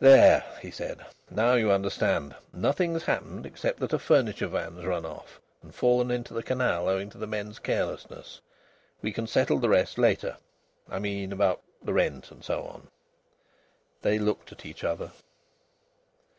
"There!" he said. "Now you understand. Nothing's happened except that a furniture van's run off and fallen into the canal owing to the men's carelessness. We can settle the rest later I mean about the rent and so on." They looked at each other.